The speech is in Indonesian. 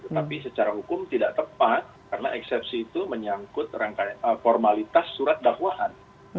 tetapi secara hukum tidak tepat karena eksepsi itu menyangkut formalitas surat dakwaan